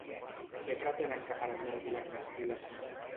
Què pretenen que permeti l'executiu de Sánchez?